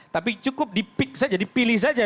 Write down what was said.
tapi cukup dipilih saja